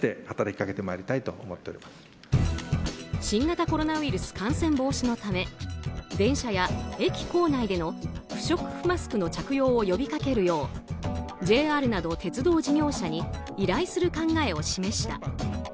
新型コロナウイルス感染防止のため電車や駅構内での不織布マスクの着用を呼びかけるようＪＲなど鉄道事業者に依頼する考えを示した。